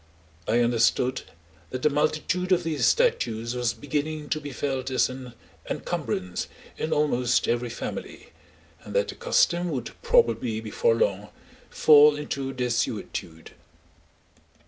I understood that the multitude of these statues was beginning to be felt as an encumbrance in almost every family, and that the custom would probably before long fall into desuetude.